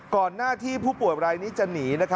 ก่อนหน้าที่ผู้ป่วยวันไลน์นี้จะหนี